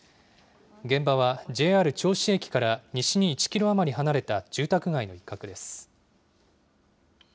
現場はＪＲ銚子駅から西に１キロ余り離れた住宅街の一角です。